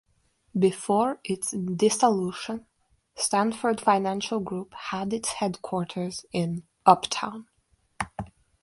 Before its dissolution Stanford Financial Group had its headquarters in Uptown.